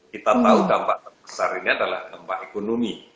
kita tahu dampak terbesar ini adalah dampak ekonomi